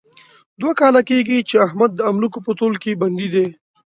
دوه کاله کېږي، چې احمد د املوکو په تول کې بندي دی.